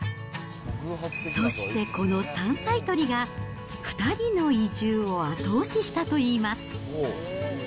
そしてこの山菜採りが、２人の移住を後押ししたといいます。